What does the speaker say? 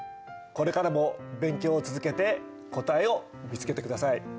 これからも勉強を続けて答えを見つけて下さい。